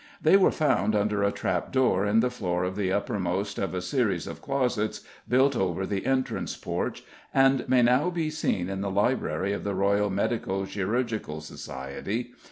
"They were found under a trap door in the floor of the uppermost of a series of closets, built over the entrance porch," and may now be seen in the library of the Royal Medico Chirurgical Society.